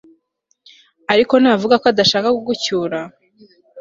ariko navuga ko adashaka kugucyura